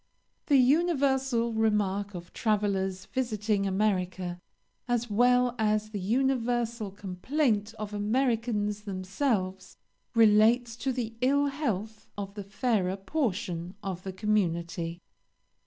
The universal remark of travelers visiting America, as well as the universal complaint of Americans themselves, relates to the ill health of the fairer portion of the community.